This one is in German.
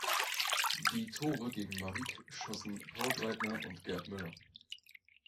Die Tore gegen Marić schossen Paul Breitner und Gerd Müller.